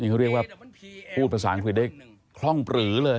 เขาเรียกว่าพูดภาษาอังกฤษได้คล่องปลือเลย